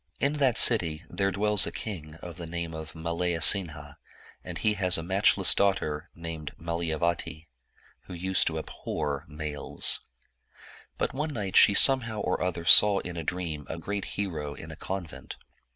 In that dty there dwells a king of the name of Malayasinha, and he has a matchless daughter, named Malayavati, who used to abhor males. But one night she somehow or other saw in a dream a great hero in a convent.